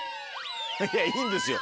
いやいいんですよ